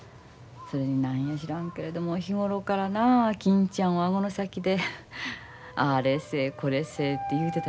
それに何や知らんけれども日頃からな金ちゃんを顎の先であれせいこれせいて言うてたやろ。